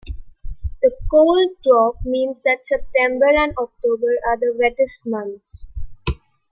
The cold drop means that September and October are the wettest months.